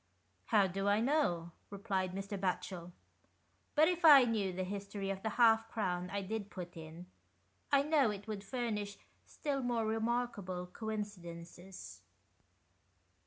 "How do I know?" replied Mr. Batchel, " but if I knew the history of the half crown I did put in, I know it would furnish still more remarkable coincidences."